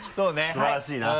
素晴らしいな。